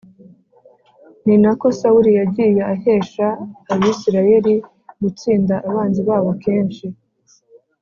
Ni na ko sawuli yagiye ahesha abisirayeli gutsinda abanzi babo kenshi